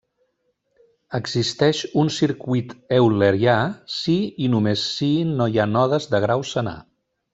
Existeix un circuit eulerià si i només si no hi ha nodes de grau senar.